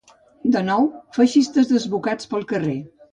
De nou feixistes desbocats pel carrer.